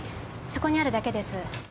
そこにあるだけです。